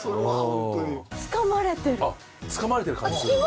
つかまれてる感じするの？